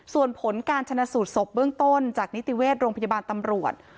ส่วนผลการชนะสูตรศพเบื้องต้นจากนิติเวชโรงพยาบาลตำรวจ